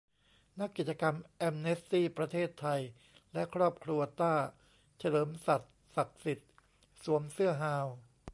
นักกิจกรรมแอมเนสตี้ ประเทศไทย และครอบครัว"ตาร์"เฉลิม สัตย์ศักดิ์สิทธิ์ สวมเสื้อฮาว